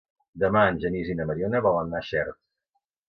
Demà en Genís i na Mariona volen anar a Xert.